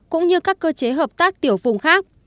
cũng như các cơ chế hợp tác tiểu vùng khác